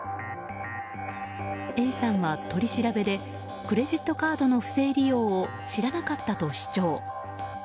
Ａさんは取り調べでクレジットカードの不正利用を知らなかったと主張。